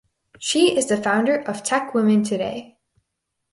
She is the founder of Tech Women Today.